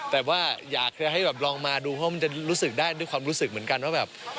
แต่ว่าอยากจะให้แบบลองมาดูเพราะมันจะรู้สึกได้ด้วยความรู้สึกเหมือนกันว่าแบบ